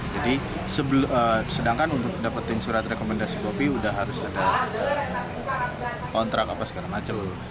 jadi sedangkan untuk mendapatkan surat rekomendasi bopi sudah harus ada kontrak apa sekarang aja lho